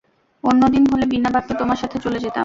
অন্য দিন হলে বিনা বাক্যে তোমার সাথে চলে যেতাম।